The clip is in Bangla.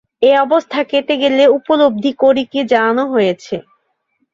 এ অবস্থা কেটে গেলে উপলব্ধি করি কি জানানো হয়েছে।